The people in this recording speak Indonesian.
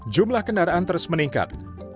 jumlah kendaraan terus meningkat